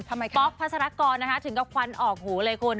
ทำไมคะป๊อปพัศนากรนะฮะถึงกับควันออกหูเลยคุณ